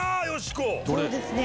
これですね。